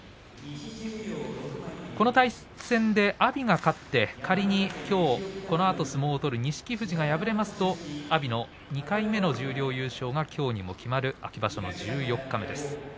この対戦で阿炎が勝って仮にきょうこのあと相撲を取る錦富士が敗れますと阿炎の２回目の十両優勝が決まる秋場所の十四日目です。